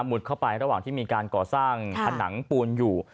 เข้าไประหว่างที่มีการก่อสร้างผนังปูนอยู่